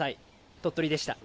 鳥取でした。